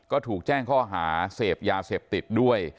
ก็ถูกแจ้งข้อหาเสพยาเสพติดด้วย